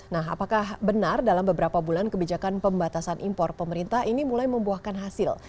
nah apakah benar dalam beberapa bulan kebijakan pembatasan impor pemerintah ini mulai membuahkan hasil